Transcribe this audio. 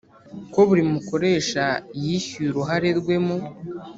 ko buri mukoresha yishyuye uruhare rwe mu